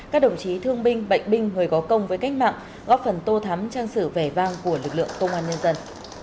các đồng chí thương binh bệnh binh người có công với cách mạng góp phần tô thắm trang sử vẻ vang của lực lượng công an nhân dân